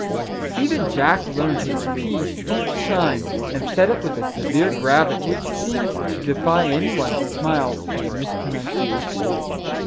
Even Jack learnt his " piece " each time, and said it with a severe gravity which seemed to defy any one to smile at a mispro nunciation